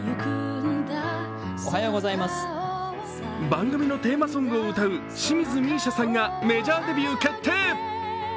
番組のテーマソングを歌う清水美依紗さんがメジャーデビュー決定。